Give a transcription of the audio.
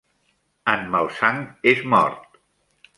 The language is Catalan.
En Malsang és mort!